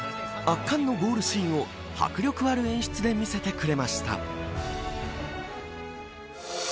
圧巻のゴールシーンを迫力ある演出で見せてくれました。